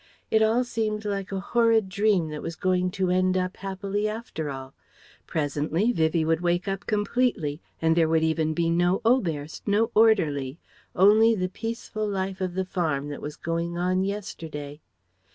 It all seemed like a horrid dream that was going to end up happily after all. Presently Vivie would wake up completely and there would even be no Oberst, no orderly; only the peaceful life of the farm that was going on yesterday.